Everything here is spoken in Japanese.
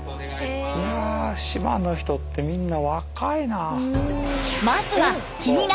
いや島の人ってみんな若いな。